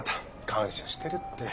感謝してるって。